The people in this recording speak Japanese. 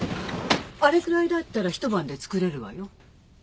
あれくらいだったら一晩で作れるわよ。